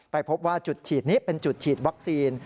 พบว่าจุดฉีดนี้เป็นจุดฉีดวัคซีน